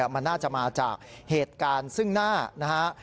มันน่าจะมาจากเหตุการณ์ซึ่งหน้านะฮะ